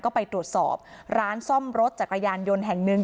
ก็ไปตรวจสอบร้านซ่อมรถจักรยานยนต์แห่งหนึ่ง